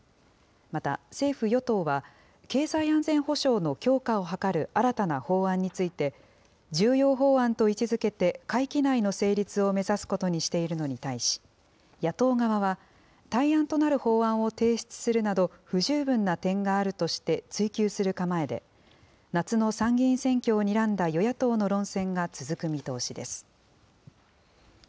また、政府・与党は、経済安全保障の強化を図る新たな法案について、重要法案と位置づけて会期内の成立を目指すことにしているのに対し、野党側は、対案となる法案を提出するなど、不十分な点があるとして、追及する構えで、夏の参議院選挙をにらんだ与野党の論戦が続く見通しです。